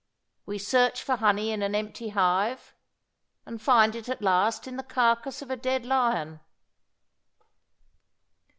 We search for honey in an empty hive, and find it at last in the carcase of a dead lion.